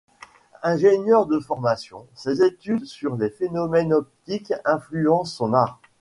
Ingénieur de formation, ses études sur les phénomènes optiques influencent son art.